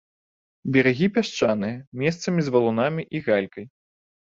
Берагі пясчаныя, месцамі з валунамі і галькай.